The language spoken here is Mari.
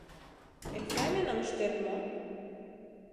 — Экзаменым ыштет мо?